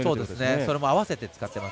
それも合わせて使っています。